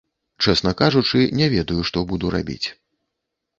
Чэсна кажучы, не ведаю, што буду рабіць.